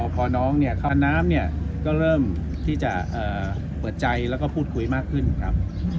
พอน้องเนี่ยเข้าน้ำเนี่ยก็เริ่มที่จะเปิดใจแล้วก็พูดคุยมากขึ้นครับ